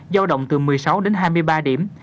giao động từ một mươi sáu đến hai mươi ba điểm